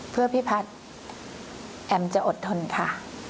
เพื่อพี่แพทย์แอมจะอดทนค่ะ